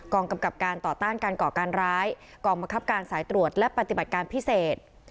กำกับการต่อต้านการก่อการร้ายกองบังคับการสายตรวจและปฏิบัติการพิเศษ